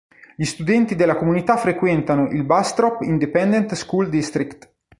Gli studenti della comunità frequentano il Bastrop Independent School District.